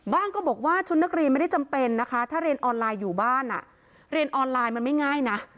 ก็บอกว่าชุดนักเรียนไม่ได้จำเป็นนะคะถ้าเรียนออนไลน์อยู่บ้านเรียนออนไลน์มันไม่ง่ายนะ